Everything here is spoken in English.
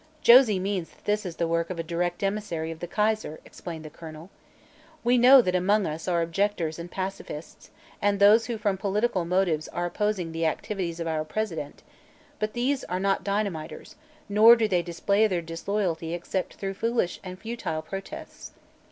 "Josie means that this is the work of a direct emissary of the Kaiser," explained the colonel. "We know that among us are objectors and pacifists and those who from political motives are opposing the activities of our President, but these are not dynamiters, nor do they display their disloyalty except through foolish and futile protests.